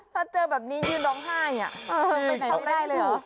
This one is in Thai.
ถ้าเจอแบบนี้ยืนร้องไห้ไปไหนไม่ได้เลยเหรอ